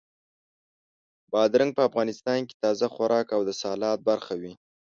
بادرنګ په افغانستان کې تازه خوراک او د سالاد برخه وي.